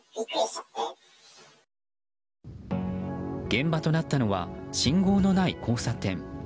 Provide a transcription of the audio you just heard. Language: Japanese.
現場となったのは信号のない交差点。